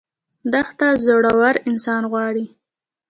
دښته زړور انسان غواړي.